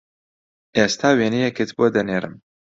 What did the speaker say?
ئێستا وێنەیەکت بۆ دەنێرم